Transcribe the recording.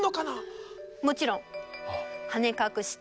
もちろん。